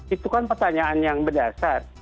itu kan pertanyaan yang berdasar